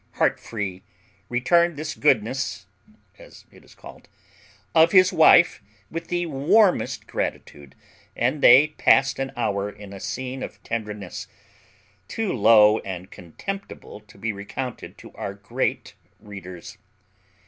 Heartfree returned this goodness (as it is called) of his wife with the warmest gratitude, and they passed an hour in a scene of tenderness too low and contemptible to be recounted to our great readers.